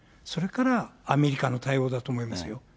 それからアメリカの対応だと思いますよ。